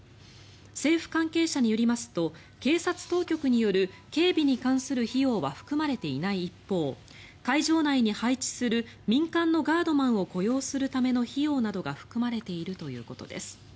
政府関係者によりますと警察当局による警備に関する費用は含まれていない一方会場内に配置する民間のガードマンを雇用するための費用などが含まれているということです。